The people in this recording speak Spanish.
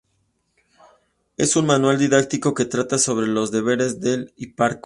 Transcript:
Es un manual didáctico que trata sobre los deberes del hiparco.